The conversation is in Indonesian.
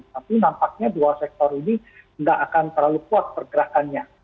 tapi nampaknya dua sektor ini tidak akan terlalu kuat pergerakannya